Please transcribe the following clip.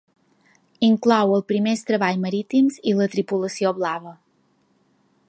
Inclou els primers treballs marítims i la tripulació blava.